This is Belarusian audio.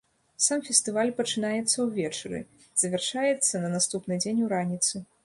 Сам фестываль пачынаецца ўвечары, завяршаецца на наступны дзень у раніцы.